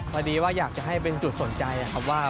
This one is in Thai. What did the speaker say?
พอดีว่าอยากจะให้เป็นจุดสนใจครับว่า